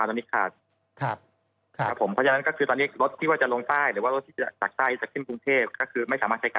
ครับผม